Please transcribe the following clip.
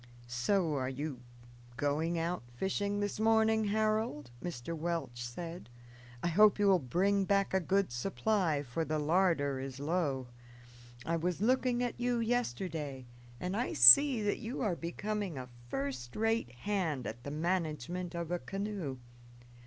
"So you are going out fishing this morning, Harold?" Mr. Welch said. "I hope you will bring back a good supply, for the larder is low. I was looking at you yesterday, and I see that you are becoming a first rate hand at the management of a canoe."